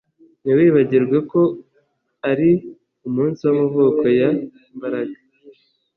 Ntiwibagirwe ko ari umunsi wamavuko ya Mbaraga